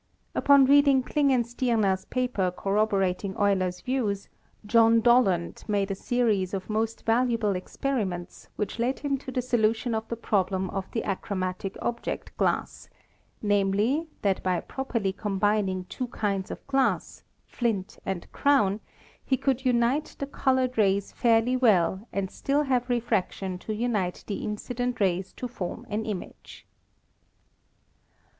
Upon reading Klingen stierna's paper corroborating Euler's views, John Dollond made a series of most valuable experiments which led him to the solution of the problem of the achromatic object glass — namely, that by properly combining two kinds of glass, flint and crown, he could unite the colored rays fairly METHODS OF OBSERVATION 21 well and still have refraction to unite the incident rays to form an image.